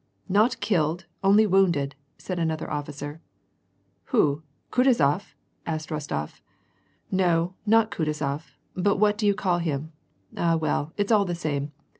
"Not killed ! only wounded," said another officer. « Who ? Kutuzof ?" asked Rostof. "No, not Kutuzof, but what do you call him — ah well, it's all the same.